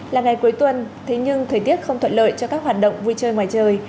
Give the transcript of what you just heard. là ngày cuối tuần thế nhưng thời tiết không thuận lợi cho các hoạt động vui chơi ngoài trời